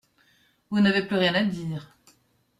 Vous n'avez plus rien à dire.